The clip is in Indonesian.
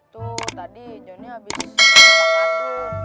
tuh tadi jonny habis ngejarin pak ardun